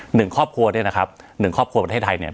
หนึ่งครอบครัวเนี่ยนะครับหนึ่งครอบครัวประเทศไทยเนี่ย